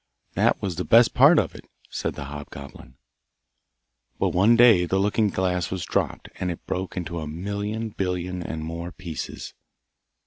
That was the best part of it, said the hobgoblin. But one day the looking glass was dropped, and it broke into a million billion and more pieces.